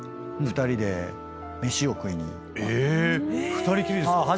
２人きりですか？